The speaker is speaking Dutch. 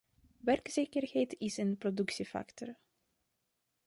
Werkzekerheid is een productiefactor.